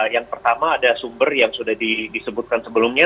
yang pertama ada sumber yang sudah disebutkan sebelumnya